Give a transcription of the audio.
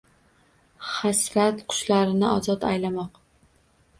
Hasrat qushlarini ozod aylamoq.